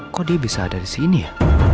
kok dia bisa ada disini ya